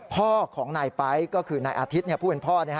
พ่อของนายไป๊ก็คือนายอาทิตย์ผู้เป็นพ่อ